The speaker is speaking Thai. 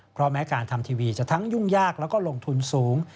เพราะแม้การทำทีวีจะทั้งยุ่งยากแล้วก็ลงทุนสูง